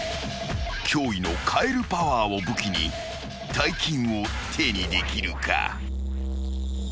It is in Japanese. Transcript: ［驚異のカエルパワーを武器に大金を手にできるか？］